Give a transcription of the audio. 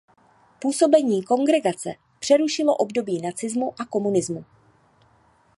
Působení kongregace přerušilo období nacismu a komunismu.